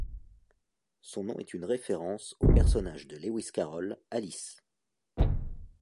Son nom est une référence au personnage de Lewis Carroll, Alice.